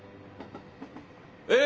え